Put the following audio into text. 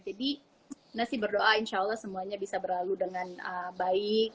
jadi nasib berdoa insya allah semuanya bisa berlalu dengan baik